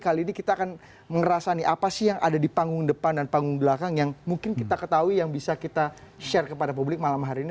kali ini kita akan ngerasa nih apa sih yang ada di panggung depan dan panggung belakang yang mungkin kita ketahui yang bisa kita share kepada publik malam hari ini